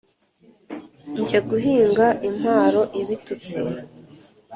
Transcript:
Njye guhinga imparo ibututsi*.